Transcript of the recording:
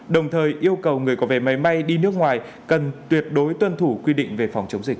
đồng thời yêu cầu người có về máy bay đi nước ngoài cần tuyệt đối tuân thủ quy định về phòng chống dịch